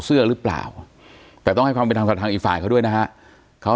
เสื้อหรือเปล่าแต่ต้องให้ความเป็นธรรมกับทางอีกฝ่ายเขาด้วยนะฮะเขา